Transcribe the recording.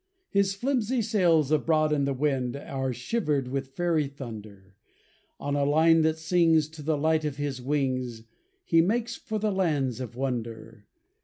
His flimsy sails abroad on the wind Are shivered with fairy thunder; On a line that sings to the light of his wings He makes for the lands of wonder.